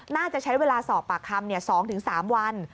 น่าจะใช้เวลาสอบปากคำ๒๓วัน